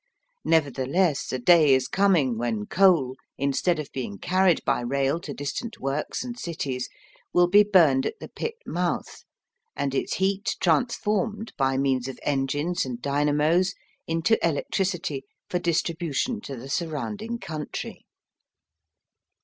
Nevertheless a day is coming when coal, instead of being carried by rail to distant works and cities, will be burned at the pit mouth, and its heat transformed by means of engines and dynamos into electricity for distribution to the surrounding country.